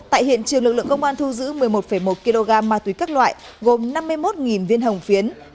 tại hiện trường lực lượng công an thu giữ một mươi một một kg ma túy các loại gồm năm mươi một viên hồng phiến